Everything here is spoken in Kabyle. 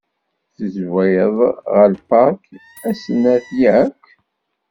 Teẓwid ɣel park asennaṭ, yak?